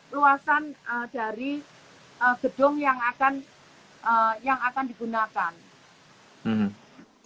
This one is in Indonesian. luasan dari gedung yang akan digunakan